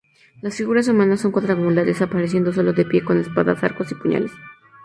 Las figuras humanas son cuadrangulares apareciendo solo de pie con espadas, arcos y puñales.